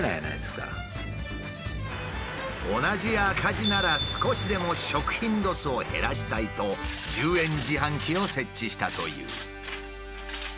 これは皆さんに同じ赤字なら少しでも食品ロスを減らしたいと１０円自販機を設置したという。